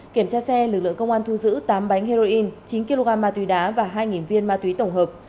kiểm tra xe lực lượng công an thu giữ tám bánh heroin chín kg ma túy đá và hai viên ma túy tổng hợp